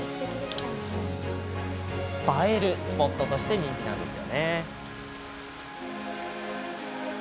映えるスポットとして人気なんです。